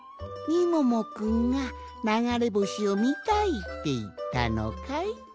みももくんがながれぼしをみたいっていったのかい？